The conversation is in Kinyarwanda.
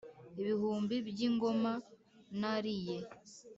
ibihumbi by’i ngoma na riye